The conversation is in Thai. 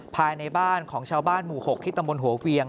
ภายในบ้านของชาวบ้านหมู่๖ที่ตำบลหัวเวียง